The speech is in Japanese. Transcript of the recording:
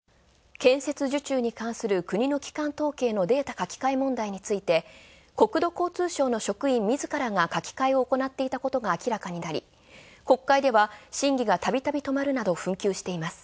建設受注に関する国の基幹統計のデータ書き換え問題について国土交通省の職員自らが書き換えを行っていたことが明らかとなり国会では新規がたびたび止まるなど紛糾しています。